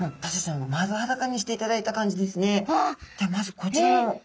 ではまずこちらの１枚。